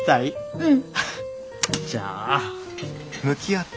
うん。